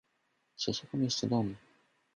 "Przeszukam jeszcze dom."